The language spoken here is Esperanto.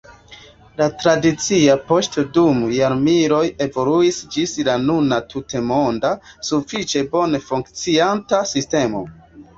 La tradicia poŝto dum jarmiloj evoluis ĝis la nuna tutmonda, sufiĉe bone funkcianta sistemo.